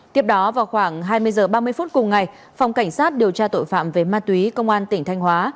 tiếp đó vào khoảng hai mươi h ba mươi phút cùng ngày phòng cảnh sát điều tra tội phạm về ma túy công an tỉnh thanh hóa